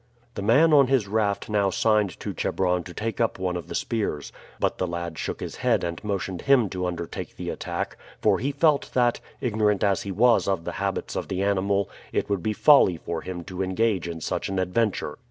The man on his raft now signed to Chebron to take up one of the spears; but the lad shook his head and motioned to him to undertake the attack, for he felt that, ignorant as he was of the habits of the animal, it would be folly for him to engage in such an adventure.